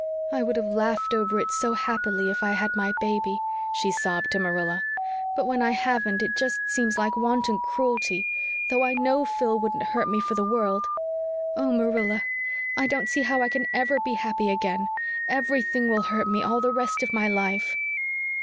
"I would have laughed over it so happily if I had my baby," she sobbed to Marilla. "But when I haven't it just seems like wanton cruelty though I know Phil wouldn't hurt me for the world. Oh, Marilla, I don't see how I can EVER be happy again EVERYTHING will hurt me all the rest of my life."